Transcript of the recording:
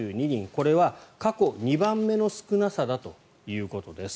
これは過去２番目の少なさだということです。